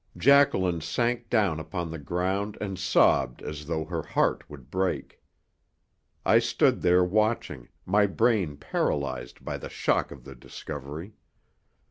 Jacqueline sank down upon the ground and sobbed as though her heart would break. I stood there watching, my brain paralyzed by the shock of the discovery.